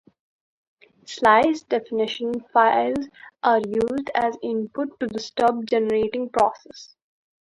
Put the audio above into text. Slice definition files are used as input to the stub generating process.